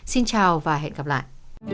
xin chào và hẹn gặp lại